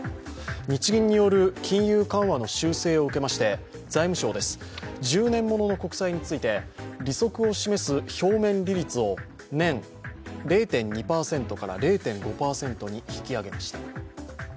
日銀による金融緩和の修正を受けまして財務省は１０年ものの国債について、利息を示す表面利率を年０．２％から０．５％に引き上げました。